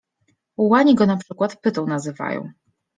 Ułani go na przykład pytą nazywają.